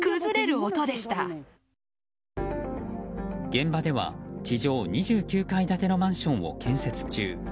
現場では、地上２９階建てのマンションを建設中。